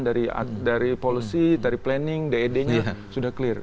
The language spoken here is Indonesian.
dari policy dari planning ded nya sudah clear